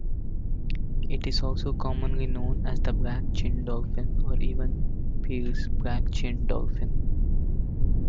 It is also commonly known as the black-chinned dolphin or even Peale's black-chinned dolphin.